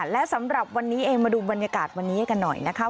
และสำหรับวันนี้เองมาดูบรรยากาศวันนี้กันหน่อยนะคะ